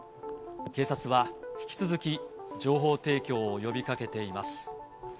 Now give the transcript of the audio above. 警察は引き続き、情報提供を呼びかけています。